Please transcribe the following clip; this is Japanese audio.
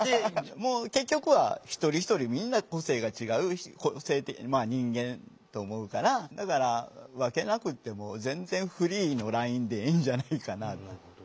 結局は一人一人みんな個性が違う人間と思うからだから分けなくっても全然フリーのラインでいいんじゃないかな。